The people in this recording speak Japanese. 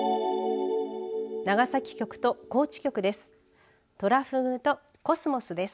長崎局と高知局です。